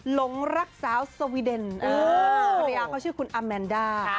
หลงรักสาวสวีเดนภรรยาเขาชื่อคุณอาแมนด้า